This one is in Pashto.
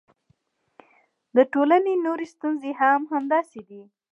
د ټولنو نورې ستونزې هم همداسې دي.